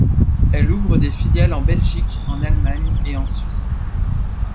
Elle ouvre des filiales en Belgique, en Allemagne et en Suisse.